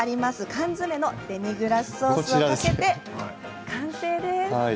缶詰のデミグラスソースをかけて完成です。